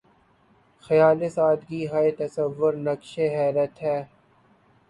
خیال سادگی ہائے تصور‘ نقشِ حیرت ہے